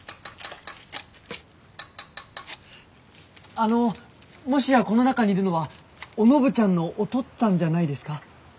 ・あのもしやこの中にいるのはお信ちゃんのおとっつぁんじゃないですか？